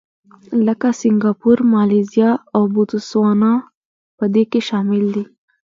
لکه سینګاپور، مالیزیا او بوتسوانا په دې کې شامل دي.